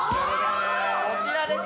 こちらですね。